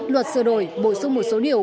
luật sửa đổi bổ sung một số điều